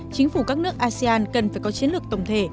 chính phủ các nước asean cần phải có chiến lược tổng thể